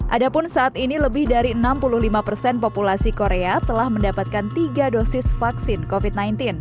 adapun saat ini lebih dari enam puluh lima persen populasi korea telah mendapatkan tiga dosis vaksin covid sembilan belas